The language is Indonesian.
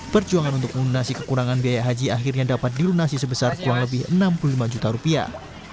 perjuangan untuk melunasi kekurangan biaya haji akhirnya dapat dilunasi sebesar kurang lebih enam puluh lima juta rupiah